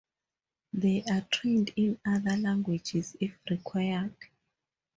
They are trained in other languages if required.